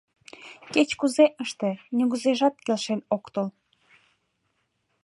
Кеч-кузе ыште, нигузежат келшен ок тол.